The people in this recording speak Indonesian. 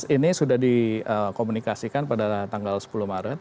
ini sudah dikomunikasikan pada tanggal sepuluh maret